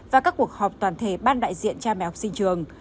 và các cuộc họp toàn thể ban đại diện cha mẹ học sinh trường